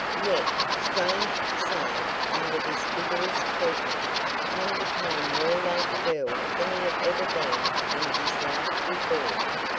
Yet, strange to say, under this vigorous treatment Tom became more like a girl than he had ever been in his life before.